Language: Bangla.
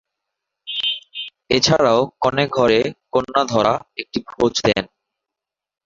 এছাড়াও কনে ঘরে কন্যা ধরা একটি ভোজ দেন।